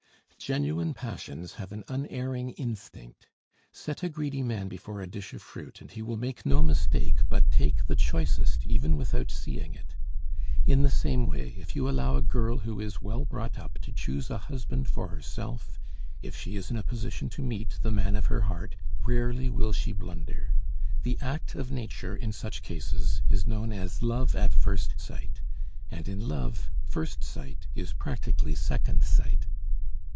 Genuine passions have an unerring instinct. Set a greedy man before a dish of fruit and he will make no mistake, but take the choicest even without seeing it. In the same way, if you allow a girl who is well brought up to choose a husband for herself, if she is in a position to meet the man of her heart, rarely will she blunder. The act of nature in such cases is known as love at first sight; and in love, first sight is practically second sight.